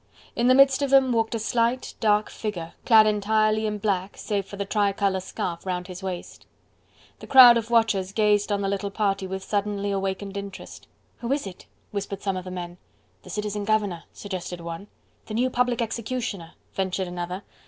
In the midst of them walked a slight, dark figure, clad entirely in black, save for the tricolour scarf round his waist. The crowd of watchers gazed on the little party with suddenly awakened interest. "Who is it?" whispered some of the men. "The citizen governor," suggested one. "The new public executioner," ventured another.